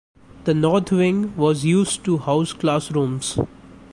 The north wing was used to house classrooms.